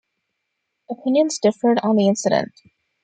Opinions differed on the incident.